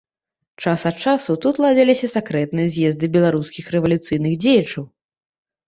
Час ад часу тут ладзіліся сакрэтныя з'езды беларускіх рэвалюцыйных дзеячаў.